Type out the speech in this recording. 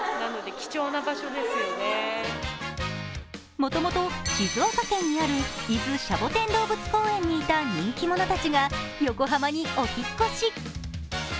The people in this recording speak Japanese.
もともと静岡県にある伊豆シャボテン動物公園にいた人気者たちが横浜にお引っ越し。